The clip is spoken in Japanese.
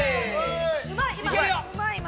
うまい今。